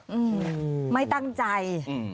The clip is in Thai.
อืมไม่ตั้งใจ